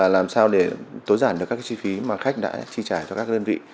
làm sao để tối giản được các chi phí mà khách đã chi trả cho các đơn vị